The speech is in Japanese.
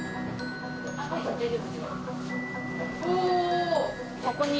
・お！